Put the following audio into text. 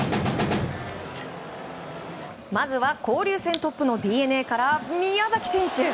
まずは交流戦トップのＤｅＮＡから宮崎選手。